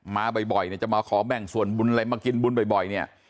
มาบ่อยเนี่ยจะมาขอแบ่งส่วนบุญอะไรมากินบุญบ่อยเนี่ย